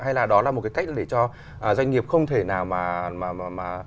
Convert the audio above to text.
hay là đó là một cái cách để cho doanh nghiệp không thể nào mà